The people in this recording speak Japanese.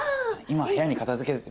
今部屋に片付け。